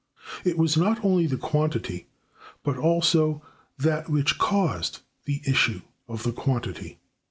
It was not only the quantity but also that which caused the issue of the quantity.